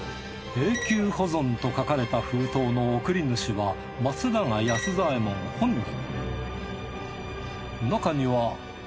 永久保存と書かれた封筒の送り主は松永安左エ門本人